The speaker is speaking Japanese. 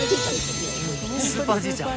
スーパーじいちゃん？